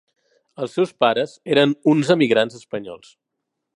Els seus pares eren uns emigrants espanyols.